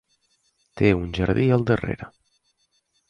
Té un jardí al darrere.